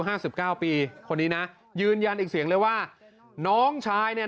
ห้าสิบเก้าปีคนนี้นะยืนยันอีกเสียงเลยว่าน้องชายเนี่ย